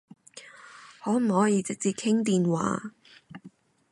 可唔可以直接傾電話？